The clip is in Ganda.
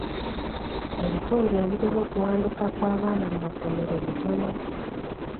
Ebitundu ebirimu okuwanduka kw'abaana mu masomero bitono.